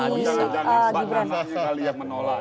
maksudnya pak jokowi yang menolak